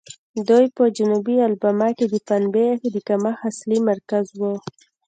دوی په جنوبي الاباما کې د پنبې د کښت اصلي مرکز وو.